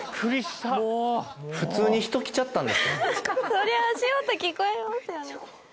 そりゃ足音聞こえますよね